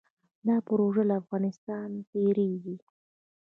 دا پروژه له افغانستان تیریږي